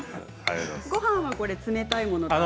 ごはんはこれ冷たいものですか？